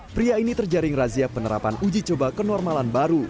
pria ini terjaring razia penerapan uji coba kenormalan baru